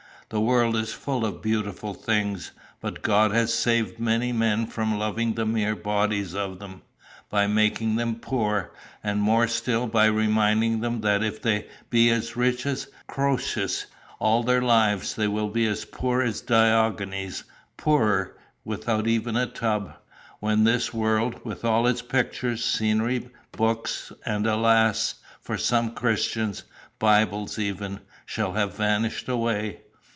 The world is full of beautiful things, but God has saved many men from loving the mere bodies of them, by making them poor; and more still by reminding them that if they be as rich as Croesus all their lives, they will be as poor as Diogenes poorer, without even a tub when this world, with all its pictures, scenery, books, and alas for some Christians! bibles even, shall have vanished away."